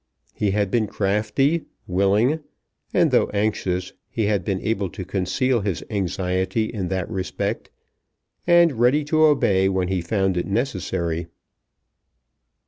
He had been crafty, willing, and, though anxious, he had been able to conceal his anxiety in that respect, and ready to obey when he found it necessary.